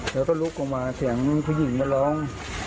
เราก็ลุกออกมาเสียงผู้หญิงลอง